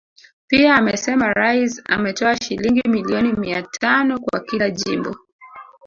Pia amesema Rais ametoa shilingi milioni mia tano kwa kila jimbo